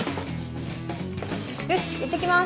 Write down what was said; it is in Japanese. よしいってきます！